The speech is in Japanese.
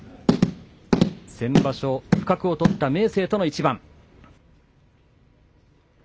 先場所、不覚を取った明生との一番。